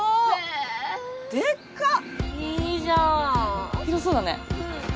いい色じゃん。